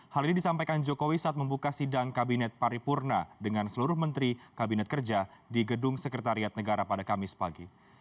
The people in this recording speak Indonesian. hal ini disampaikan jokowi saat membuka sidang kabinet paripurna dengan seluruh menteri kabinet kerja di gedung sekretariat negara pada kamis pagi